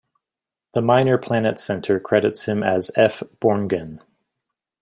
The Minor Planet Center credits him as F. Borngen.